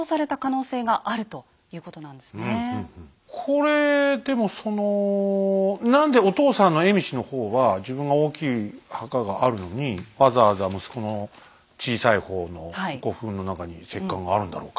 これでもそのなんでお父さんの蝦夷の方は自分が大きい墓があるのにわざわざ息子の小さい方の古墳の中に石棺があるんだろうか。